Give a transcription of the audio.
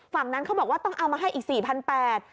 ฝั่งนั้นเขาบอกว่าต้องเอามาให้อีก๔๘๐๐บาท